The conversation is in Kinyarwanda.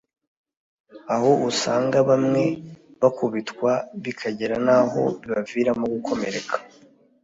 aho usanga ngo bamwe bakubitwa bikagera n’aho bibaviramo gukomereka